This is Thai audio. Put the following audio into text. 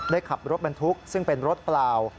ขับรถบรรทุกซึ่งเป็นรถเปล่า